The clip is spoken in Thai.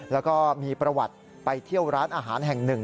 แล้วก็มีประวัติไปเที่ยวร้านอาหารแห่งหนึ่ง